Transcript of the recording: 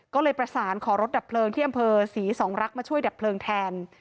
ก็เลยประสานขอรถดับเพลิงที่อำเภอศรีสองรักษ์มาช่วยดับเพลิงแทน